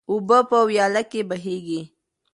اوبه په ویاله کې بهیږي.